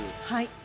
はい。